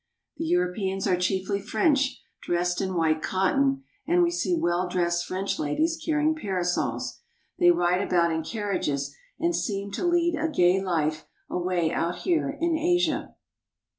The Europeans are chiefly French, dressed in white cotton, and we see well dressed French ladies carrying parasols. They ride about in carriages and seem to lead a gay life away out here in Asia.